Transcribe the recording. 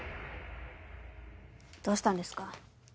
どうしたんですか？